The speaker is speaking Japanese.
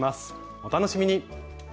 お楽しみに！